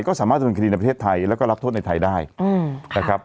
ก็สามารถดำเนินคดีในประเทศไทยแล้วก็รับโทษในไทยได้นะครับ